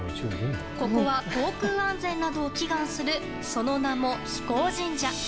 ここは航空安全などを祈願するその名も飛行神社。